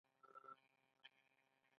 نقیب صاحب ږیره خریله.